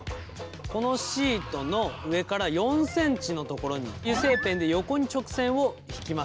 このシートの上から４ｃｍのところに油性ペンで横に直線をひきます。